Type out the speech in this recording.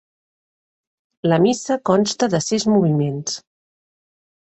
La missa consta de sis moviments.